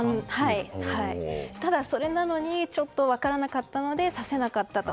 それなのに分からなかったので指せなかったと。